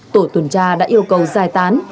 tổ tuần tra đã yêu cầu giải tán